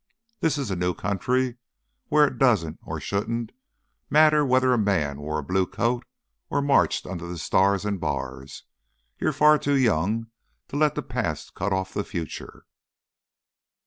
This is new country where it doesn't, or shouldn't, matter whether a man wore a blue coat or marched under the Stars and Bars. You're far too young to let the past cut off the future.